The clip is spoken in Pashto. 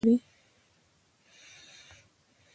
افغانستان د کندهار د پلوه ځانته ځانګړتیا لري.